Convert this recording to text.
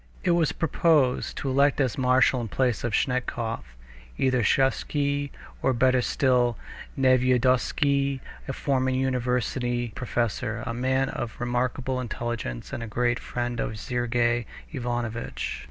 It was proposed to elect as marshal in place of Snetkov either Sviazhsky, or, better still, Nevyedovsky, a former university professor, a man of remarkable intelligence and a great friend of Sergey Ivanovitch.